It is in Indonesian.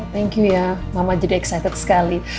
thank you ya mama jadi excited sekali